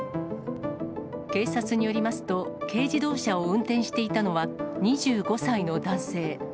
警察によりますと、軽自動車を運転していたのは、２５歳の男性。